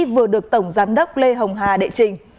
vừa được tổng giám đốc lê hồng hà đệ trình